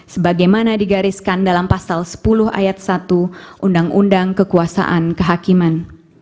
sebagaimana digariskan dalam pasal sepuluh ayat satu undang undang kekuasaan kehakiman